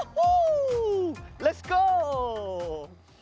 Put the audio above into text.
ไปกันเถอะ